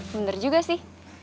bener juga sih